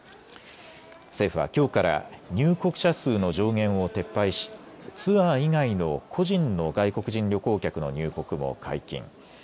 政府はきょうから入国者数の上限を撤廃しツアー以外の個人の外国人旅行客の入国も解禁。